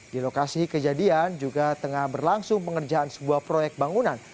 di lokasi kejadian juga tengah berlangsung pengerjaan sebuah proyek bangunan